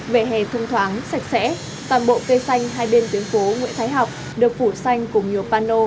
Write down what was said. về hè thông thoáng sạch sẽ toàn bộ cây xanh hai bên tuyến phố nguyễn thái học được phủ xanh cùng nhiều pano